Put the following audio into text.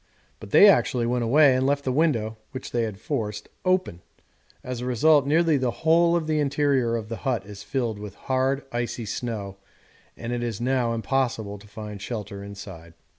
But they actually went away and left the window (which they had forced) open; as a result, nearly the whole of the interior of the hut is filled with hard icy snow, and it is now impossible to find shelter inside.